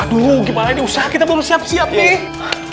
aduh gimana ini usaha kita belum siap siap nih